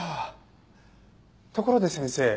ところで先生